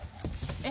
えっ？